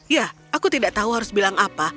ya aku tidak tahu harus bilang apa